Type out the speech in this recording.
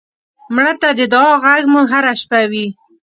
مړه ته د دعا غږ مو هر شپه وي